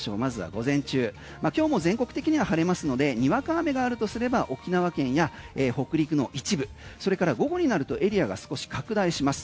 午前中今日も全国的には晴れますのでにわか雨があるとすれば沖縄県や北陸の一部それからそれから午後になるとエリアが少し拡大します。